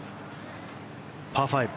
パー５。